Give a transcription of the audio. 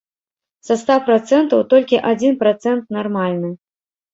Са ста працэнтаў толькі адзін працэнт нармальны.